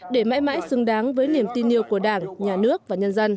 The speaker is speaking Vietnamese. để mãi mãi xứng đáng với niềm tin yêu của đảng nhà nước và nhân dân